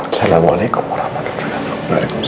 assalamualaikum warahmatullahi wabarakatuh